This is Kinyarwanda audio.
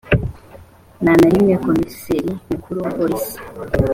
nta na rimwe komiseri mukuru wa polisi